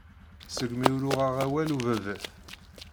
Seg-mi ur uɣeɣ awal ubabat.